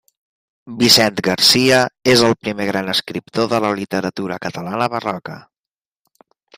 Vicent Garcia és el primer gran escriptor de la literatura catalana barroca.